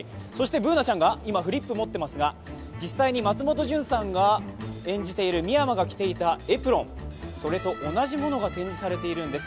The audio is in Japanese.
Ｂｏｏｎａちゃんが今フリップを持っていますが実際に松本潤さんが演じている深山が着ていたエプロンと同じものが展示されているんです。